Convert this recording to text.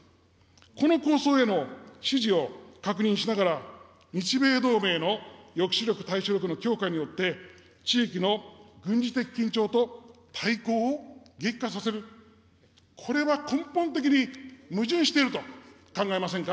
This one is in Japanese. この構想への支持を確認しながら、日米同盟の抑止力・対処力の強化によって、地域の軍事的緊張と対抗を激化させる、これは根本的に矛盾していると考えませんか。